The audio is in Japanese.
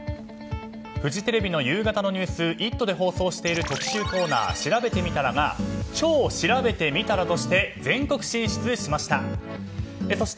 フジテレビの夕方のニュース「イット！」で放送している特集コーナーしらべてみたらが「超しらべてみたら」として全国進出しました。